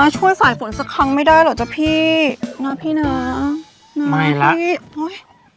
ช่วยสายฝนสักครั้งไม่ได้เหรอจ้ะพี่นะพี่นะไม่แล้วพี่โอ้ย